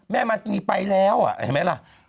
มัสนีไปแล้วเห็นไหมล่ะ